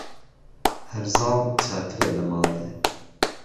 ههرزاڵ چاتره له ماڵێ